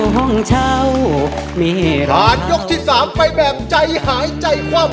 หม์หม้อบ่าผ่านยกที่๓ไปแบบใจหายใจความ